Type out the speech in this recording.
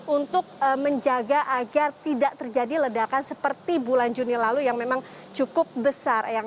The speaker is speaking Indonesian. untuk menjaga agar tidak terjadi ledakan seperti bulan juni lalu yang memang cukup besar